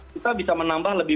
kita bisa menambah lebih